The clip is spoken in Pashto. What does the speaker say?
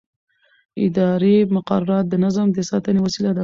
اداري مقررات د نظم د ساتنې وسیله ده.